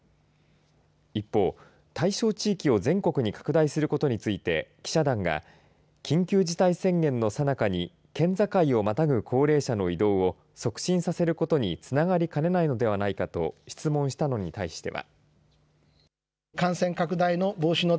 一方、対象地域を全国に拡大することについて記者団が緊急事態宣言のさなかに県境をまたぐ高齢者の移動を促進させることにつながりかねないのではないかと質問したのに対しては。